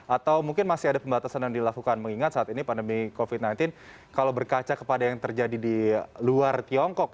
atau mungkin masih ada pembatasan yang dilakukan mengingat saat ini pandemi covid sembilan belas kalau berkaca kepada yang terjadi di luar tiongkok